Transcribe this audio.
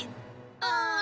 ああ。